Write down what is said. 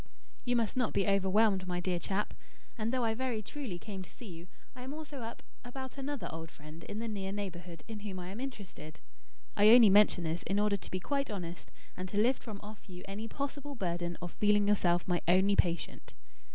"You must not be overwhelmed, my dear chap; and, though I very truly came to see you, I am also up, about another old friend in the near neighbourhood in whom I am interested. I only mention this in order to be quite honest, and to lift from off you any possible burden of feeling yourself my only patient."